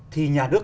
thì nhà nước